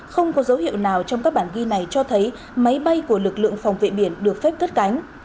không có dấu hiệu nào trong các bản ghi này cho thấy máy bay của lực lượng phòng vệ biển được phép cất cánh